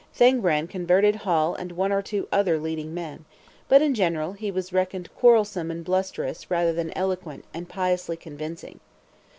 Thangbrand converted Hall and one or two other leading men; but in general he was reckoned quarrelsome and blusterous rather than eloquent and piously convincing.